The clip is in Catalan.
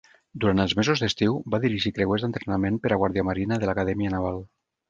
Durant els mesos d'estiu, va dirigir creuers d'entrenament per a guardiamarina de l'Acadèmia Naval.